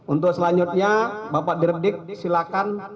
untuk selanjutnya bapak dirdik